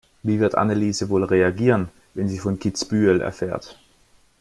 Wie wird Anneliese wohl reagieren, wenn sie von Kitzbühel erfährt?